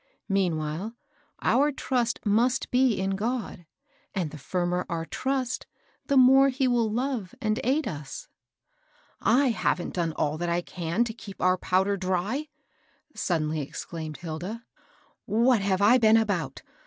Meanwhile, our trust must be in GU)d ; and the firmer our trust, the more he will love and aid us." "/ haven't done all I can to keep our powder . dry !" suddenly exclaimed Hilda. " What have I been about